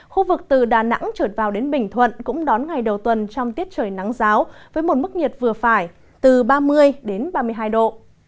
khu vực từ đà nẵng trở vào đến bình thuận cũng đón ngày đầu tuần trong tiết trời nắng giáo với một mức nhiệt vừa phải từ ba mươi đến ba mươi hai độ